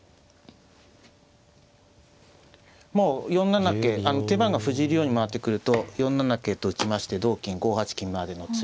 もう４七桂手番が藤井竜王に回ってくると４七桂と打ちまして同金５八金までの詰み。